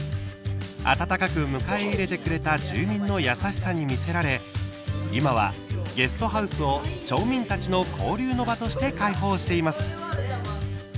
温かく迎えて入れてくれた住民の優しさに魅せられ今は、ゲストハウスを町民たちの交流の場として開放しています。